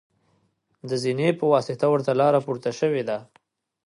د زینې په واسطه ورته لاره پورته شوې ده.